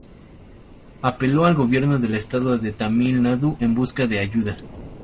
Apeló al gobierno del estado de Tamil Nadu en busca de ayuda.